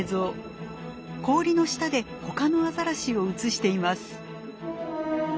氷の下で他のアザラシを写しています。